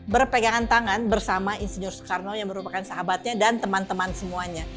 berpegangan tangan bersama insinyur soekarno yang merupakan sahabatnya dan teman teman semuanya